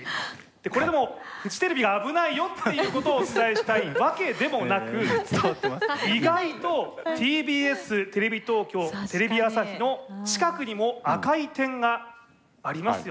これでもフジテレビが危ないよっていうことをお伝えしたいわけでもなく意外とＴＢＳテレビ東京テレビ朝日の近くにも赤い点がありますよね。